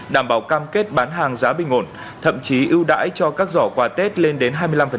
đảm bảo cam kết bán hàng giá bình ổn thậm chí ưu đãi cho các giỏ quà tết lên đến hai mươi năm